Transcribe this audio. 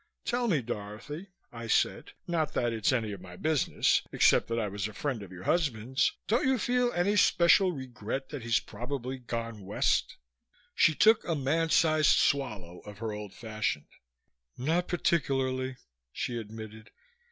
"Tell me, Dorothy," I said, "not that it's any of my business, except that I was a friend of your husband's, don't you feel any special regret that he's probably gone west?" She took a man sized swallow of her old fashioned. "Not particularly," she admitted.